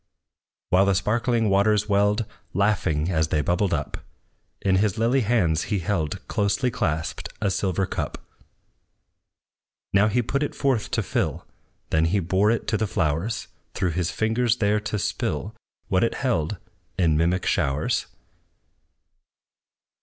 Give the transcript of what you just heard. While the sparkling waters welled, Laughing as they bubbled up, In his lily hands he held, Closely clasped, a silver cup. Now he put it forth to fill; Then he bore it to the flowers, Through his fingers there to spill What it held, in mimic showers.